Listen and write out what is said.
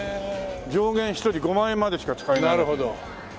上限１人５万円までしか使えない。